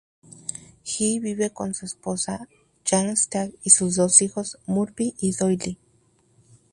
He vive con su esposa, Jan Stack, y sus dos hijos Murphy y Doyle.